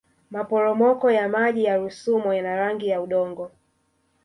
maporomoko ya maji ya rusumo yana rangi ya udongo